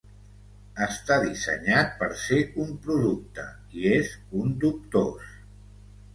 Està dissenyat per ser un producte, i és un dubtós.